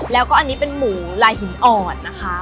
แล้วก็อันนี้เป็นหมูไร่หินอรนะครับ